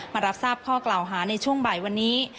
มารับทราบข้อกล่าวหาในช่วงบ่ายวันนี้